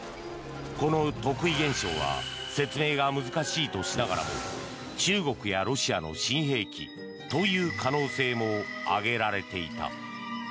この特異現象は説明が難しいとしながらも中国やロシアの新兵器という可能性も挙げられていた。